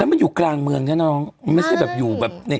แล้วมันอยู่กลางเมืองน่ะน้องใช่มันไม่ใช่แบบอยู่แบบนี้